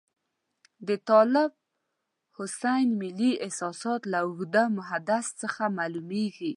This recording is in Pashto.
د طالب حسین ملي احساسات له اوږده مسدس څخه معلوميږي.